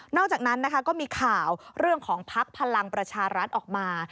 อกจากนั้นนะคะก็มีข่าวเรื่องของภักดิ์พลังประชารัฐออกมา